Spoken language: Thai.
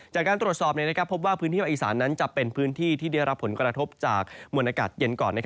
จากการตรวจสอบพบว่าพื้นที่ภาคอีสานนั้นจะเป็นพื้นที่ที่ได้รับผลกระทบจากมวลอากาศเย็นก่อน